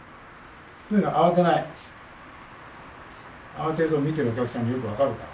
慌てると見てるお客さんによく分かるから。